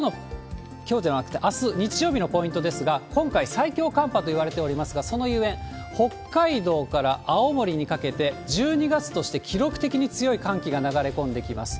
あす日曜日のポイントですが、今回、最強寒波といわれておりますが、そのゆえん、北海道から青森にかけて、１２月として記録的に強い寒気が流れ込んできます。